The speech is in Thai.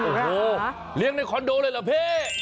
โอ้โหเลี้ยงในคอนโดเลยเหรอพี่